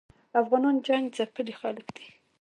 افغانان جنګ ځپلي خلګ دي